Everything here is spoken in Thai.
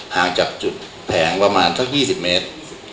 ฮจับจุดแผงประมาณจาก๒๐เมตร